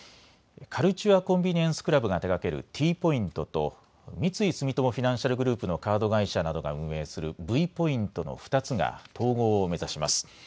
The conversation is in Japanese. カルチュア・コンビニエンス・クラブが手がけるＴポイントと三井住友フィナンシャルグループのカード会社などが運営するＶポイントの２つが統合を目指します。